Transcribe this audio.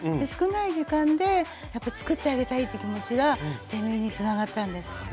少ない時間でやっぱり作ってあげたいっていう気持ちが手縫いにつながったんです。